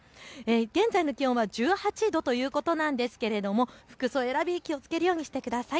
現在の気温１８度ということなんですが、服装、選び気をつけるようにしてください。